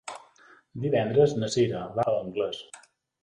Divendres na Cira va a Anglès.